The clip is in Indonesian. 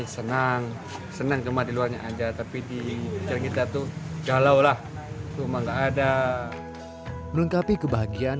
senang senang di luarnya aja tapi di kita tuh galau lah cuma nggak ada melengkapi kebahagiaan